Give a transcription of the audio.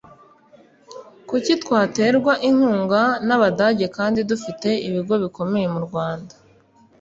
kuki twaterwa inkunga n’Abadage kandi dufite ibigo bikomeye mu Rwanda